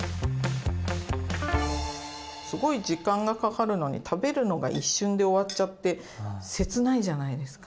すごい時間がかかるのに食べるのが一瞬で終わっちゃって切ないじゃないですか。